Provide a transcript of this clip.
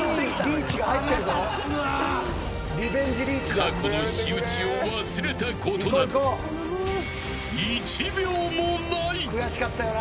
過去の仕打ちを忘れたことなど１秒もない。